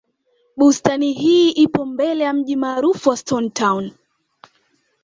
bustani hii ipo mbele ya mji maarufu wa stone town